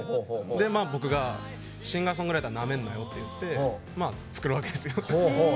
僕がシンガーソングライターなめんなよって言って作るわけですよ。